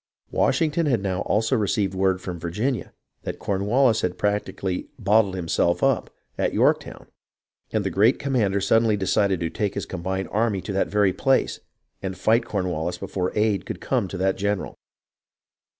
Washington had now also received word from Virginia that Cornwallis had practically " bottled himself up " at Yorktown, and the great commander suddenly decided to take his combined army to that very place and fight Corn wallis before aid could come to that general.